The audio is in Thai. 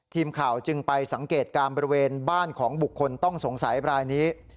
ทีมข่าวจึงไปสังเกตการณ์บริเวณบ้านของบุคคลต้องสงสัยบรายนี้